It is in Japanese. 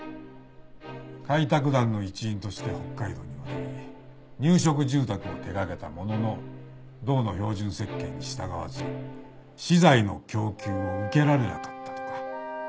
開拓団の一員として北海道に渡り入植住宅を手掛けたものの道の標準設計に従わず資材の供給を受けられなかったとか。